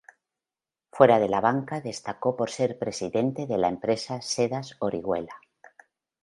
Fuera de la Banca destacó por ser Presidente de la empresa Sedas Orihuela.